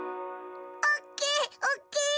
おっきい！